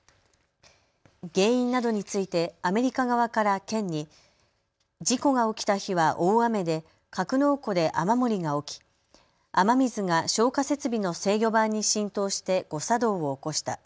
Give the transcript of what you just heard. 原因などについてアメリカ側から県に事故が起きた日は大雨で格納庫で雨漏りが起き、雨水が消火設備の制御盤に浸透して誤作動を起こした。